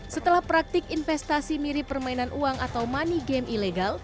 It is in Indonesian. setelah praktik investasi mirip permainan uang atau money game ilegal